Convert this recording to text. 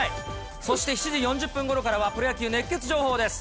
そして７時４０分ごろからは、プロ野球熱ケツ情報です。